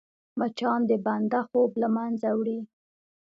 مچان د بنده خوب له منځه وړي